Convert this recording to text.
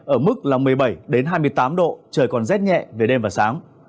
ở mức một mươi bảy hai mươi tám độ trời còn rét nhẹ về đêm và sáng